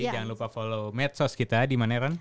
jangan lupa follow medsos kita di mana ran